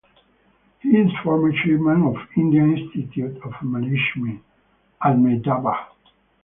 He is former chairman of Indian Institute of Management, Ahmedabad.